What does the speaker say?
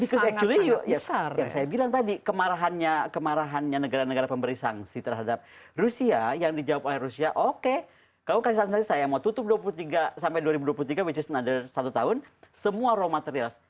ecos actually year yang saya bilang tadi kemarahannya negara negara pemberi sanksi terhadap rusia yang dijawab oleh rusia oke kamu kasih sanksi saya mau tutup dua puluh tiga sampai dua ribu dua puluh tiga which is nother satu tahun semua raw materials